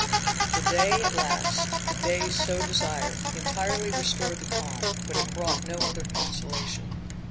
The day at last, the day so desired, entirely restored the calm; but it brought no other consolation.